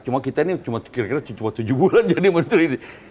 cuma kita ini cuma kira kira cuma tujuh bulan jadi menteri